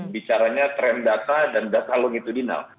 bicaranya trend data dan data longitudinal